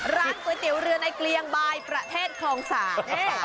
ร้านตัวเต๋วเรือในเกลียงบายประเทศคองสาบค่ะ